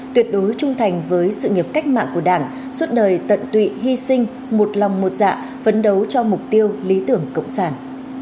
tuyệt đối trung thành với sự nghiệp cách mạng của đảng suốt đời tận tụy hy sinh một lòng một dạ phấn đấu cho mục tiêu lý tưởng cộng sản